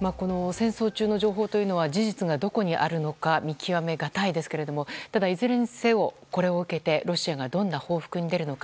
戦争中の情報は事実がどこにあるのか見極めがたいですがただ、いずれにせよこれを受けて、ロシアがどんな報復に出るのか。